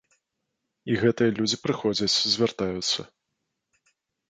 І гэтыя людзі прыходзяць, звяртаюцца.